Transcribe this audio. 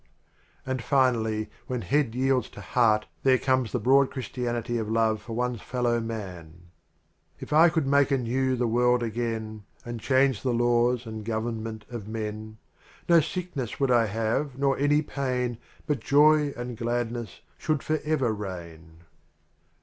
And finally when head yields to heart there comes the broad Christianity of love for one's fellow man : If I could mike anew the world agitn. And change the laws and government of men. No MiLkncHS would 1 have nor any piin But jay and gladness should forever reign.